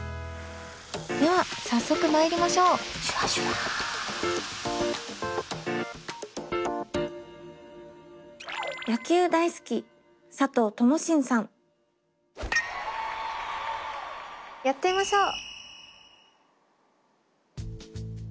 では早速まいりましょうやってみましょう。